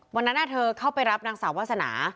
วันนั้นเธอเข้าไปรับนางสาววาสนา